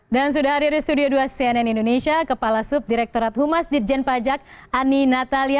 dan sudah hadir di studio dua cnn indonesia kepala subdirekturat humas dirjen pajak ani natalia